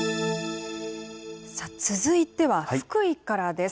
続いては福井からです。